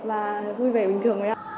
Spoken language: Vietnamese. và vui vẻ bình thường nhé